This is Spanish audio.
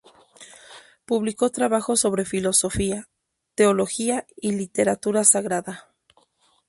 Publicó trabajos sobre filosofía, teología y literatura sagrada.